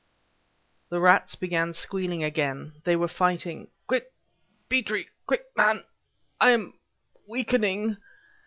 The rats began squealing again. They were fighting... "Quick, Petrie! Quick, man! I am weakening...."